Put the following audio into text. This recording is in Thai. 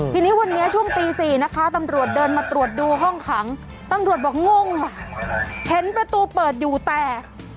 ทีนี้วันนี้ช่วงตี๔นะคะตำรวจเดินมาตรวจดูห้องขังตำรวจบอกงงเห็นประตูเปิดอยู่แต่